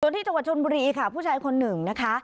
ที่จังหวัดชนบุรีค่ะผู้ชายคนหนึ่งนะคะ